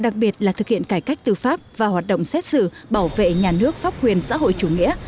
kiện cải cách tư pháp và hoạt động xét xử bảo vệ nhà nước pháp quyền xã hội chủ nghĩa